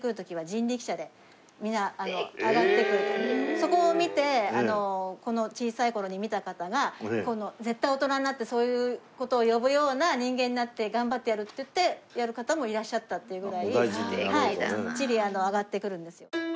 そこを見て小さい頃に見た方が絶対大人になってそういう事を呼ぶような人間になって頑張ってやるっていってやる方もいらっしゃったっていうぐらいきっちり上がってくるんですよ。